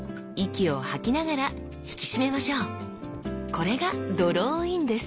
これがドローインです！